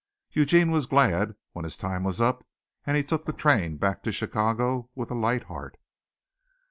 Eugene was glad when his time was up, and took the train back to Chicago with a light heart.